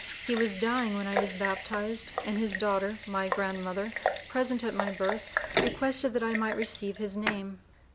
He was dying when I was baptized; and his daughter, my grandmother, present at my birth, requested that I might receive his name.